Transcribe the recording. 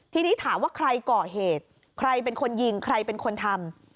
ทีนี้ถามว่าใครก่อเหตุใครเป็นคนยิงใครเป็นคนทำ